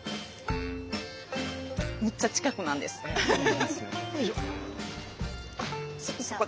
めっちゃ近くなんですハハハ。